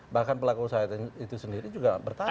bahkan pelaku usaha itu sendiri juga bertanya